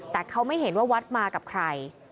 แต่เขาไม่เห็นว่าวัดมากับใคร